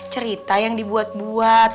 cerita yang dibuat buat